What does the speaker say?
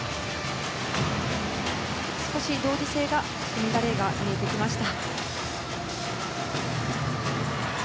少し同時性に乱れが見えてきました。